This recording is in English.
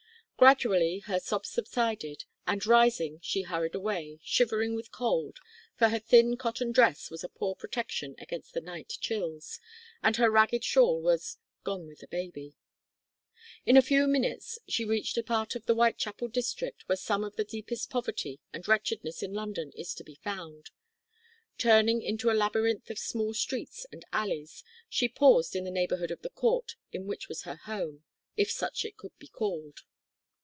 Gradually her sobs subsided, and, rising, she hurried away, shivering with cold, for her thin cotton dress was a poor protection against the night chills, and her ragged shawl was gone with the baby. In a few minutes she reached a part of the Whitechapel district where some of the deepest poverty and wretchedness in London is to be found. Turning into a labyrinth of small streets and alleys, she paused in the neighbourhood of the court in which was her home if such it could be called.